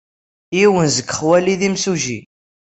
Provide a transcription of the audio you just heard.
Yiwen seg xwali d imsujji.